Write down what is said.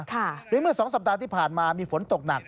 โดยเมื่อสองสัปดาห์ที่ผ่านมามีฝนตกหนัก